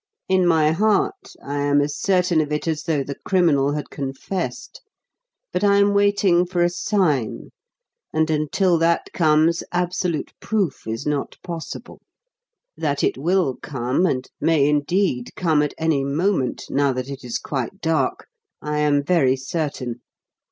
"In my heart I am as certain of it as though the criminal had confessed; but I am waiting for a sign, and, until that comes, absolute proof is not possible. That it will come, and may, indeed, come at any moment now that it is quite dark, I am very certain.